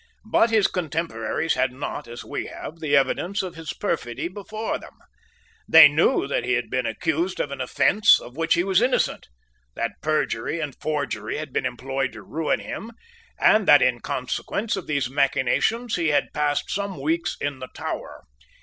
But his contemporaries had not, as we have, the evidence of his perfidy before them. They knew that he had been accused of an offence of which he was innocent, that perjury and forgery had been employed to ruin him, and that, in consequence of these machinations, he had passed some weeks in the Tower.